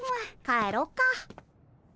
帰ろっか。